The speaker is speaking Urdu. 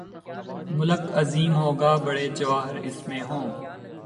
ملک عظیم ہو گا، بڑے جواہر اس میں ہوں۔